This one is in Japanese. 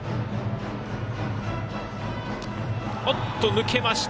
抜けました。